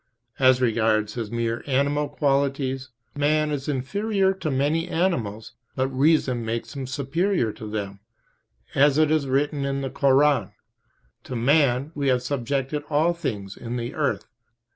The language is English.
As regards his mere animal qualities, man is inferior to many animals, but reason makes him superior to them, as it is written in the Koran: "To man We have subjected all things in the earth."